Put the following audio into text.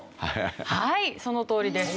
はいそのとおりです。